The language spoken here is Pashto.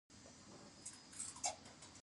قرقین ولسوالۍ د کوم سیند تر څنګ ده؟